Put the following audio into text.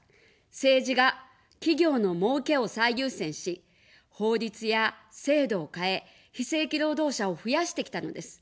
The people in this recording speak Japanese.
政治が企業のもうけを最優先し、法律や制度を変え、非正規労働者を増やしてきたのです。